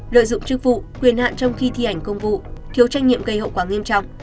lợi dụng chức vụ quyền hạn trong khi thi hành công vụ thiếu tranh nhiệm gây hậu quả nghiêm trọng